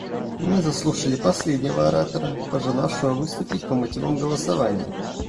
Мы заслушали последнего оратора, пожелавшего выступить по мотивам голосования.